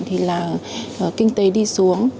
thì là kinh tế đi xuống